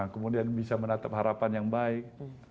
kemudian bisa menatap harapan yang baik